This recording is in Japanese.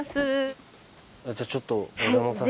じゃあちょっと。